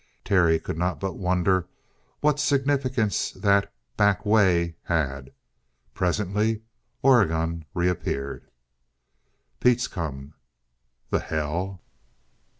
Terry could not but wonder what significance that "back way" had. Presently Oregon reappeared. "Pete's come." "The hell!"